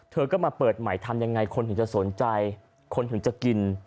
เธอก็มาเปิดใหม่ทำยังไงคนถึงจะสนใจคนถึงจะกิน